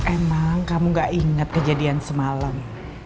emang kamu gak ingat kejadian semalam